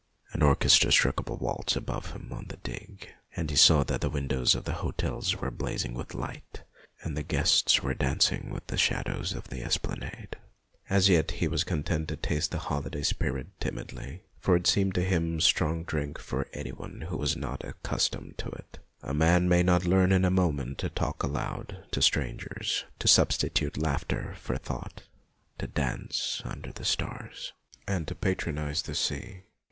An orchestra struck up a waltz above him on the digue, and he saw that the windows of the hotels were blazing with light, and that the guests were dancing with the shadows of the esplanade. As yet he was content to taste the holiday 17 258 MONOLOGUES spirit timidly, for it seemed to him strong drink for any one who was not accustomed to it. A man may not learn in a moment to talk aloud to strangers, to substitute laughter for thought, to dance under the stars, and to patronize the sea.